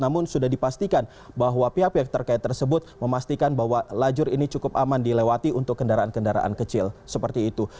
namun sudah dipastikan bahwa pihak pihak terkait tersebut memastikan bahwa lajur ini cukup aman dilewati untuk kendaraan kendaraan kecil seperti itu